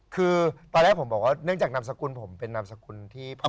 คือตอนแรกผมบอกว่าเนื่องจากนามสกุลผมเป็นนามสกุลที่พ่อ